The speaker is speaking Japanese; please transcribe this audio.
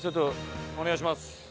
お願いします。